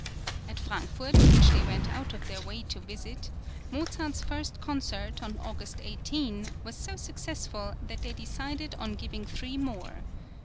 At Frankfort, which they went out of their way to visit, Mozart's first concert, on August 18, was so successful that they decided on giving three more.